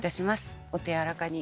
お手柔らかに。